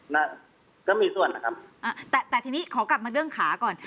น่ะก็มีส่วนนะครับอ่าแต่แต่ทีนี้ขอกลับมาเรื่องขาก่อน